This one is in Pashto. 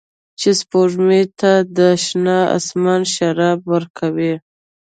چې سپوږمۍ ته د شنه اسمان شراب ورکوي